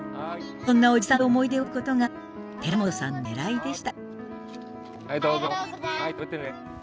そんなおじさんとの楽しい思い出を作ることが寺本さんのねらいでした。